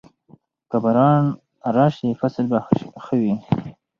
که باران راشي، فصل به ښه وي.